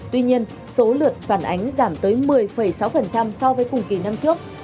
tuy nhiên số lượt phản ánh giảm tới một mươi sáu so với cùng kỳ năm trước